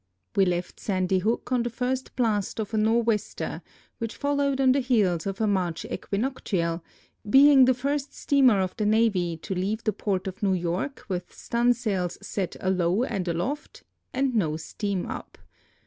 We left Sand}^ Hook on the iirst blast of a nor'wester which followed on the heels of a March equinoctial, being the first steamer of the navy to leave the port of New York with stunsails set alow and aloft and no steam up.